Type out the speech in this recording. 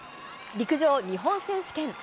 陸上日本選手権。